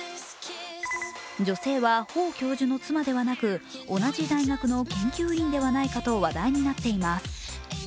女性は方教授の妻ではなく同じ大学の研究員ではないかと話題になっています。